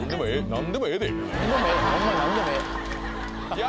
何でもええヤ